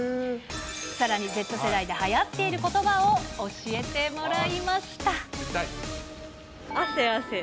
さらにＺ世代ではやっていることばを教えてアセアセ。